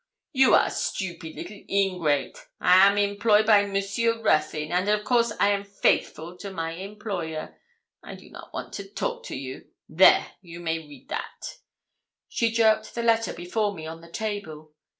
'You are stupid little ingrate, I am employ by Monsieur Ruthyn, and of course I am faithful to my employer. I do not want to talk to you. There, you may read that.' She jerked the letter before me on the table.